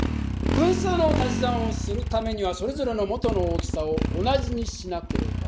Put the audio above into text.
分数のたし算をするためにはそれぞれの元の大きさを同じにしなければいけない。